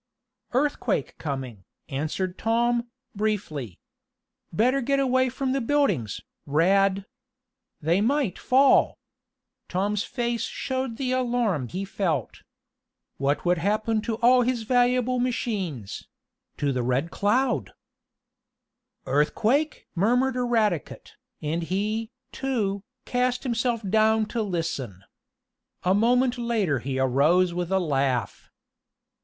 "Earthquake coming," answered Tom, briefly. "Better get away from the buildings, Rad. They might fall!" Tom's face showed the alarm he felt. What would happen to all of his valuable machines to the Red Cloud? "Earthquake?" murmured Eradicate, and he, too, cast himself down to listen. A moment later he arose with a laugh.